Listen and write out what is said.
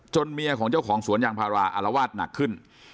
เมียของเจ้าของสวนยางพาราอารวาสหนักขึ้น